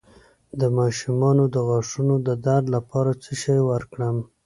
د ماشوم د غاښونو د درد لپاره څه شی ورکړم؟